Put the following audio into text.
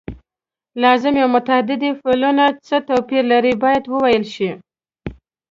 لازمي او متعدي فعلونه څه توپیر لري باید وویل شي.